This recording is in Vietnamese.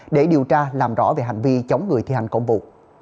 để điều tra làm rõ về hành vi chống người thi hành công vụ